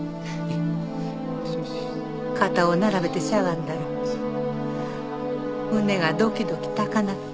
肩を並べてしゃがんだら胸がドキドキ高鳴って。